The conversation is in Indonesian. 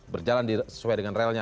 berjalan sesuai dengan realnya